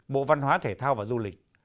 bộ văn hóa thể thao và du lịch